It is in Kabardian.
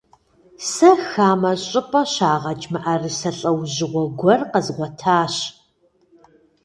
Сэ хамэ щӀыпӀэ щагъэкӀ мыӀэрысэ лӀэужьыгъуэ гуэр къэзгъуэтащ.